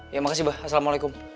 ya makasih abah assalamualaikum